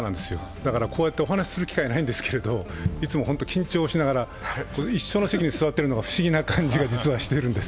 だからこうやってお話しする機会ないんですけれども、いつも本当、緊張しながら一緒の席に座っているのが不思議な感じがしているんです。